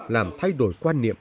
làm thay đổi quan niệm